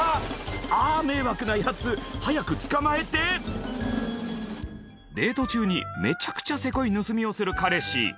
あぁ迷惑なヤツ！早く捕まえてデート中にめちゃくちゃセコい盗みをする彼氏